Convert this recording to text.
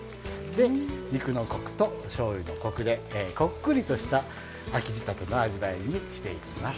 で肉のコクとしょうゆのコクでこっくりとした秋仕立ての味わいにしていきます。